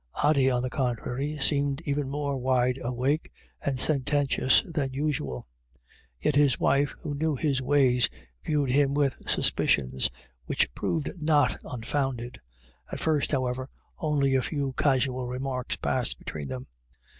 Ody, on the contrary, seemed even more wide awake and sententious than usual. Yet his wife, who knew his ways, viewed him with sus picions which proved not unfounded. At first, however, only a few casual remarks passed between them.